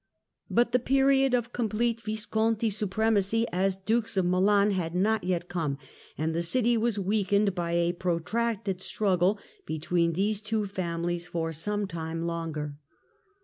But the period of complete Visconti supremacy as Dukes of Milan had not yet come, and the city was weakened by a protracted struggle between these two families for some time longer.